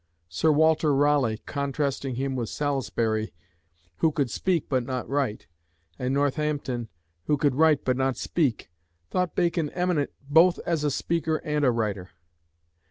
Sir Walter Raleigh, contrasting him with Salisbury, who could speak but not write, and Northampton, who could write but not speak, thought Bacon eminent both as a speaker and a writer.